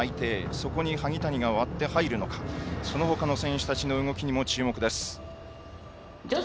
そこに萩谷が割って入るのかそのほかの選手たちの動きにも注目です。